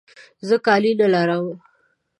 زه کالي نه لرم.